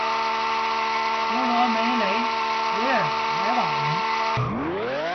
弗罗梅雷维尔莱瓦隆。